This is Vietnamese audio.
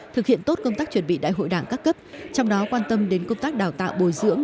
thực hiện tốt công tác chuẩn bị đại hội đảng các cấp trong đó quan tâm đến công tác đào tạo bồi dưỡng